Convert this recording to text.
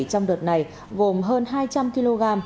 trong đợt này gồm hơn hai trăm linh kg